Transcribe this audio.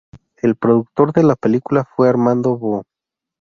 El productor de la película fue Armando Bó.